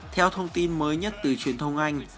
theo thông tin mới nhất từ truyền thông anh